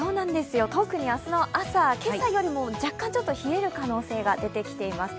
特に明日の朝、今朝よりも若干冷える可能性が出てきています。